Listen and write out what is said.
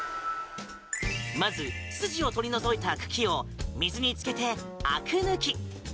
まず、筋を取り除いた茎を水につけて、あく抜き。